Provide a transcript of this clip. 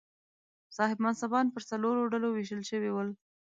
صاحب منصبان پر څلورو ډلو وېشل شوي ول.